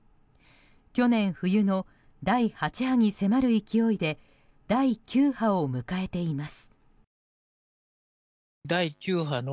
去年冬の第８波に迫る勢いで第９波を迎えています。